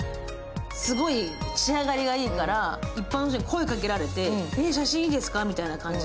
すごい仕上がりがいいから、一般の人に声をかけられて写真いいですかって。